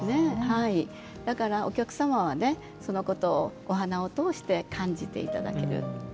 だからお客様はそのことをお花を通して感じていただける。